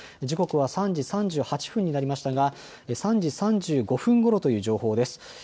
時刻は３時３８分になりましたが３時３５分ごろという情報です。